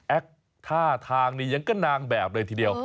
ท่าทางนี้ยังก็นางแบบเลยทีเดียว